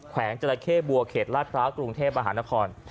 แขวงจราเข้บัวเขตราตรากรุงเทพฯอาหารคล